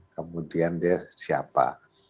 kemudian dia siapa